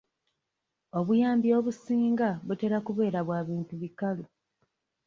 Obuyambi obusinga butera kubeera bwa bintu bikalu.